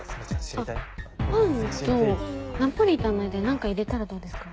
あっパンとナポリタンの間に何か入れたらどうですか？